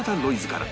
’から